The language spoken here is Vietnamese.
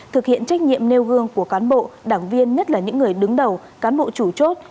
thực hiện trách nhiệm nêu gương của cán bộ đảng viên nhất là những người đứng đầu cán bộ chủ chốt